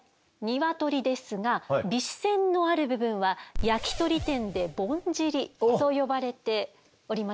鶏ですが尾脂腺のある部分は焼き鳥店で「ぼんじり」と呼ばれておりますね。